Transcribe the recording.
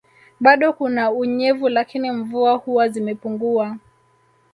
Bado kuna unyevu lakini mvua huwa zimepunguwa